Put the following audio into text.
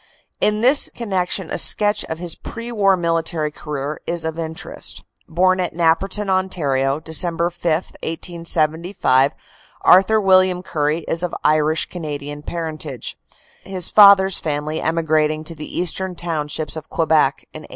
In this connection a sketch of his pre war military career is of interest. Born at Napperton, Ont., Dec. 5, 1875, Arthur William Currie is of Irish Canadian parentage, his father s family emigrating to the Eastern Townships of Quebec in 1830.